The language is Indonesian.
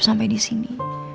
sampai di sini